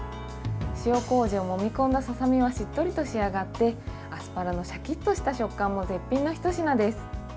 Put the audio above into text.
塩こうじをもみ込んだささみがしっとりと仕上がってアスパラのシャキッとした食感も絶品のひと品です。